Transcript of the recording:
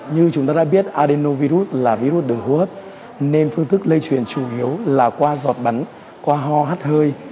như chúng ta đã biết adeno virus là virus đường hô hấp nên phương thức lây chuyển chủ yếu là qua giọt bắn qua ho hắt hơi